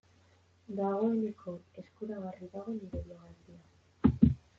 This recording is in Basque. Dagoeneko eskuragarri dago nire biografia.